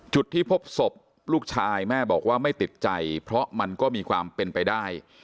จุดที่พบศพลูกชายแม่บอกว่าไม่ติดใจเพราะมันก็มีความเป็นไปได้